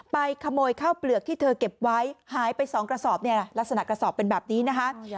ขโมยข้าวเปลือกที่เธอเก็บไว้หายไป๒กระสอบเนี่ยลักษณะกระสอบเป็นแบบนี้นะคะ